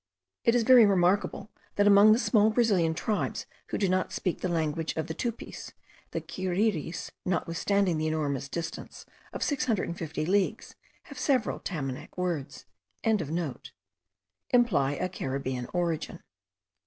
It is very remarkable, that among the small Brazilian tribes who do not speak the language of the Tupis, the Kiriris, notwithstanding the enormous distance of 650 leagues, have several Tamanac words.) imply a Caribbean origin.